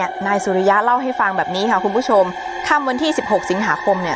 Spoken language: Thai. นายสุริยะเล่าให้ฟังแบบนี้ค่ะคุณผู้ชมค่ำวันที่สิบหกสิงหาคมเนี่ย